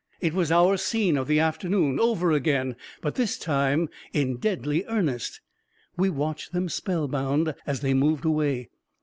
It was our scene of the afternoon over again — but this time in deadly earnest 1 We watched them, spell bound, as they moved away